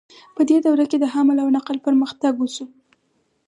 په دې دوره کې د حمل او نقل پرمختګ وشو.